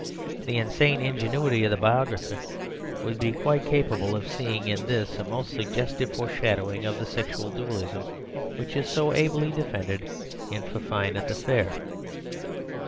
The insane ingenuity of the biographer would be quite capable of seeing in this a most suggestive foreshadowing of the sexual dualism which is so ably defended in Fifine at the Fair.